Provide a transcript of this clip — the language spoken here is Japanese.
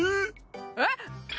えっ！？